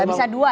gak bisa dua ya